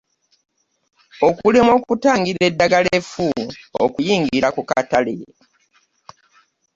Okulemwa okutangira eddagala effu okuyingira ku katale.